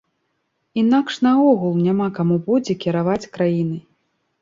Інакш наогул няма каму будзе кіраваць краінай.